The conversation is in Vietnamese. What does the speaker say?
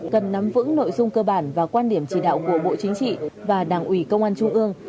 cần nắm vững nội dung cơ bản và quan điểm chỉ đạo của bộ chính trị và đảng ủy công an trung ương